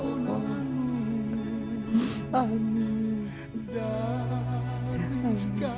tolong kami ya allah